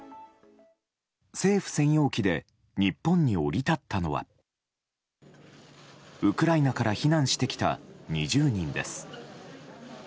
政府専用機で日本に降り立ったのはウクライナから避難してきた２０人です。